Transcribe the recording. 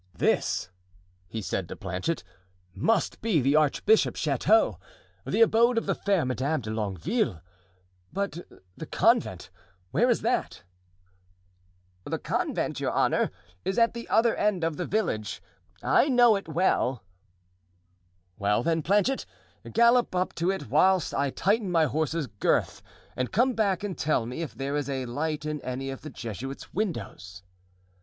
"This," he said to Planchet, "must be the archbishop's chateau, the abode of the fair Madame de Longueville; but the convent, where is that?" "The convent, your honor, is at the other end of the village; I know it well." "Well, then, Planchet, gallop up to it whilst I tighten my horse's girth, and come back and tell me if there is a light in any of the Jesuits' windows."